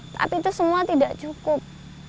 tapi itu semua tidak cukup